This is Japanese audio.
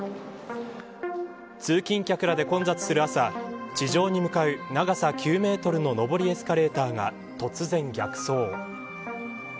通勤客らで混雑する朝地上に向かう長さ９メートルの上りエスカレーターが突然逆走。